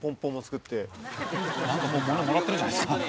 何かもう物もらってるじゃないですか。